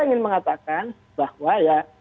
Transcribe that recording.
ingin mengatakan bahwa ya